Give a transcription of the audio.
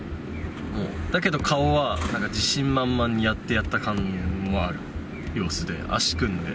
だけど顔は自信満々にやってやった感もある様子で、足組んで。